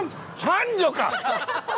三女か！